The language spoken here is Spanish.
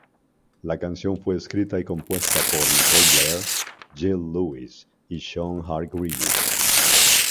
La canción fue escrita y compuesta por Nicole Blair, Gil Lewis y Sean Hargreaves.